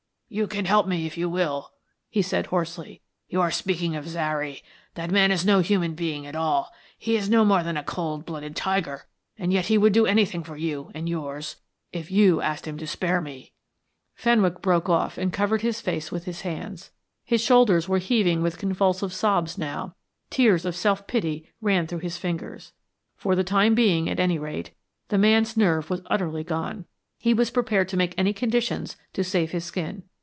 "You can help me if you will," he said hoarsely. "You are speaking of Zary. That man is no human being at all, he is no more than a cold blooded tiger, and yet he would do anything for you and yours. If you asked him to spare me " Fenwick broke off and covered his face with his hands. His shoulders were heaving with convulsive sobs now, tears of self pity ran through his fingers. For the time being, at any rate, the man's nerve was utterly gone. He was prepared to make any conditions to save his skin.